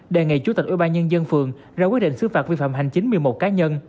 đề nghị chủ tịch ủy ban nhân dân phường ra quyết định xứ phạt vi phạm hành chính một mươi một cá nhân